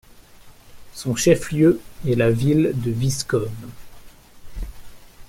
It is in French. Son chef-lieu est la ville de Vyškov.